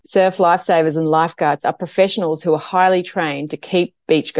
jika anda berada di pantai